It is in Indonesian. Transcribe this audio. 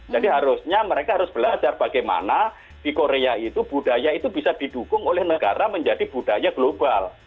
jadi harusnya mereka harus belajar bagaimana di korea itu budaya itu bisa didukung oleh negara menjadi budaya global